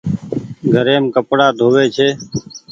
گهريم ڪپڙآ ڌو وي ڇي ۔